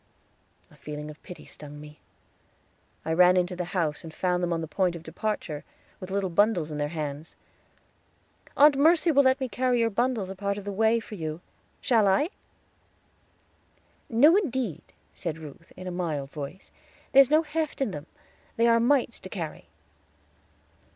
A feeling of pity stung me; I ran into the house, and found them on the point of departure, with little bundles in their hands. "Aunt Mercy will let me carry your bundles a part of the way for you; shall I?" "No, indeed," said Ruth, in a mild voice; "there's no heft in them; they are mites to carry."